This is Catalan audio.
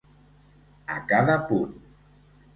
A cada punt.